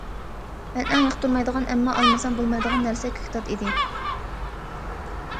مەن ئەڭ ياقتۇرمايدىغان، ئەمما ئالمىسام بولمايدىغان نەرسە كۆكتات ئىدى.